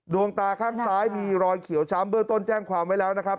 ดวงตาข้างซ้ายมีรอยเขียวช้ำเบื้องต้นแจ้งความไว้แล้วนะครับ